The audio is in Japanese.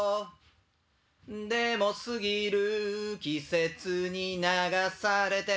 でも過ぎる季節に流されて